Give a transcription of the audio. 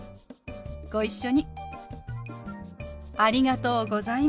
ご一緒に。